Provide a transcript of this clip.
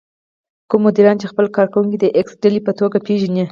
کوم مديران چې خپل کار کوونکي د ايکس ډلې په توګه پېژني.